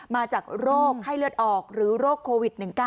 มาจากโรคไข้เลือดออกหรือโรคโควิด๑๙